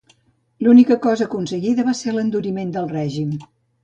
L'única cosa aconseguida va ser l'enduriment del règim.